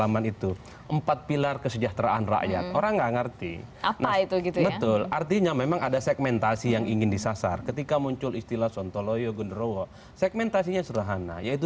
misalnya sekarang ini saya sering ya